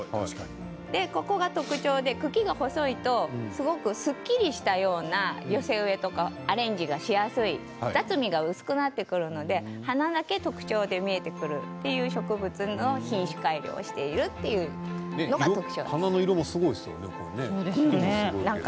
ここが特徴で茎が細いとすごくすっきりしたような寄せ植えとかアレンジがしやすり雑味が薄くなってくるので花だけ特徴に見えてくるという植物の品種改良しているというのが特徴です。